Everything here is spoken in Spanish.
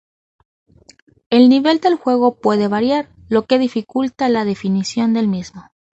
El nivel de juego puede variar, lo que dificulta la definición del mismo.